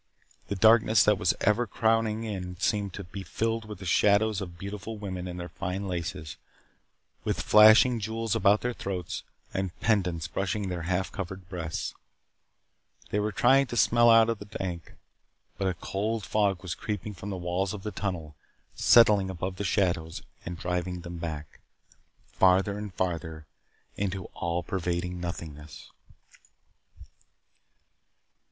The darkness that was ever crowding in seemed to be filled with the shadows of beautiful women in fine laces, with flashing jewels about their throats, and pendants brushing their half covered breasts. They were trying to smile out of the dark, but a cold fog was creeping from the walls of the tunnel, settling about the shadows, and driving them back, farther and farther into all pervading nothingness.